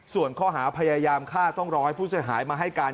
ส่วนข้อหาพยายามฆ่าต้องรอให้ผู้เสียหายมาให้การ